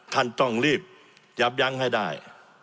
ท่านต้องรีบยับยั้งให้ได้